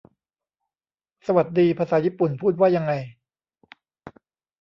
สวัสดี ภาษาญี่ปุ่นพูดว่ายังไง